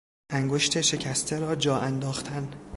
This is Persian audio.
انگشت شکسته را جا انداختن